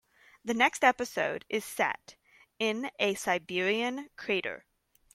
The next episode is set in a Siberian crater.